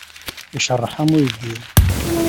Iṛecceḥ am uyeddid.